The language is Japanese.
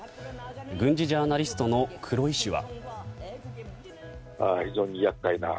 軍事ジャーナリストの黒井氏は。